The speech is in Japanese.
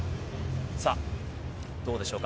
さあ、どうでしょうか。